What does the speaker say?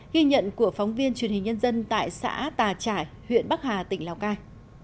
ghi nhận của phóng viên truyền hình nhân dân tại xã tà trải huyện bắc hà tỉnh lào cai